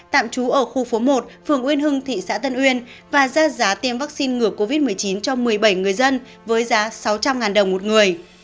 tạm trú ở khu phố một phường uyên hưng thị xã tân uyên và ra giá tiêm vaccine ngừa covid một mươi chín cho một mươi bảy người dân với giá sáu trăm linh đồng một người